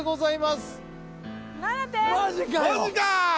マジか！